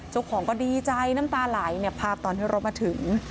เจ้าของก็ดีใจน้ำตาไหลภาพตอนที่รถมาถึง